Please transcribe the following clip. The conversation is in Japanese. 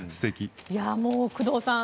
工藤さん